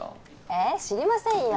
えっ知りませんよ